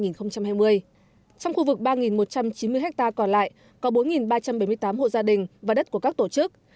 trong khu vực ba một trăm chín mươi ha còn lại có bốn ba trăm bảy mươi tám hộ gia đình và đất của các tổ chức